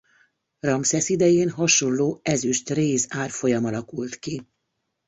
Ramszesz idején hasonló ezüst–réz árfolyam alakult ki.